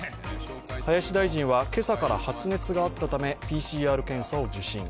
林大臣は、今朝から発熱があったためＰＣＲ検査を受診。